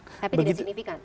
tapi tidak signifikan